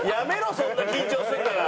そんな緊張するなら。